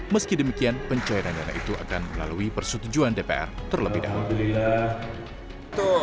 meski demikian pencairan dana itu akan melalui persetujuan dpr terlebih dahulu